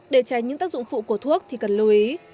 để tránh những tác dụng phụ của thuốc thì cần lưu ý